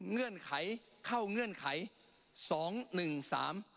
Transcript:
เงื่อนไขเข้าเงื่อนไขสองหนึ่งสาม